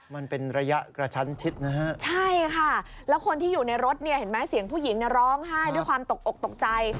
มันเป็นระยะกระชั้นชิดนะฮะใช่ค่ะแล้วคนที่อยู่ในรถเนี่ยเห็นไหมเสียงผู้หญิงเนี่ยร้องไห้ด้วยความตกอกตกใจ